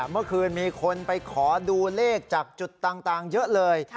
เมื่อคืนมีคนไปขอดูเลขจากจุดต่างเยอะเลย